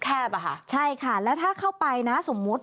แต่ว่าไม่สามารถผ่านเข้าไปที่บริเวณถนน